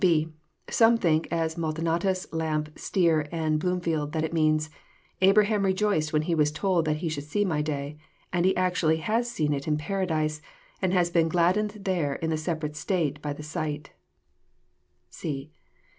(6) Some think, as Maldonatus, Larape, Stier, and Bloom field, that it means, *' Abraham rejoiced when he was told that he should see My day ; and he actually has seen it in Paradise, and has been gladdened there in the separate state by the Bight."